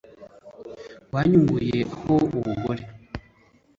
wanyunguye ho ubugore